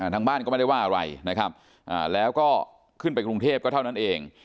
ทางบ้านก็ไม่ได้ว่าอะไรนะครับแล้วก็ขึ้นไปกรุงเทพก็เท่านั้นเอง